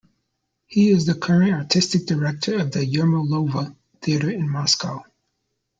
He is the current artistic director of the Yermolova Theatre in Moscow.